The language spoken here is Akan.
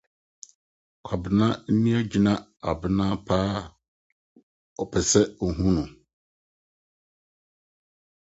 Kwabena ani agyina Abena paa pɛ sɛ ohu no